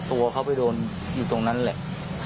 ตัวเขาไปโดนอยู่ตรงนั้นแหละ